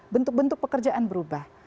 bentuk bentuk pekerjaan berubah